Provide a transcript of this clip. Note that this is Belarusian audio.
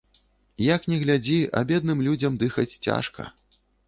Як ні глядзі, а бедным людзям дыхаць цяжка.